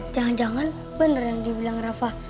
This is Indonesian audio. jangan jangan bener yang dibilang rafah